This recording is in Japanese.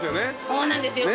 そうなんですよ。